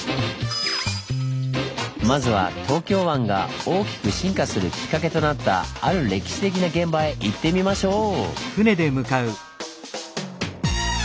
まずは東京湾が大きく進化するきっかけとなったある歴史的な現場へ行ってみましょう！